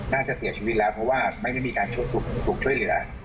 น่าจะเสียชีวิตแล้วเพราะว่าไม่ได้มีการถูกช่วยเหลือ